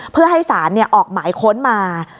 เพื่อให้ศาลออกหมายค้นมา